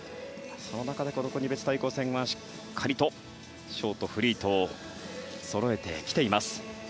その中で国別対抗戦はしっかりとショート、フリーとそろえてきています。